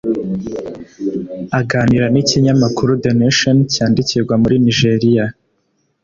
Aganira n’ikinyamakuru The Nation cyandikirwa muri Nigeria